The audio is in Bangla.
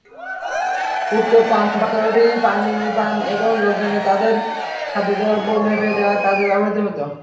উক্ত পানপাত্রটি পানি পান এবং লোকজনকে তাদের খাদ্যদ্রব্য মেপে দেয়ার কাজে ব্যবহৃত হত।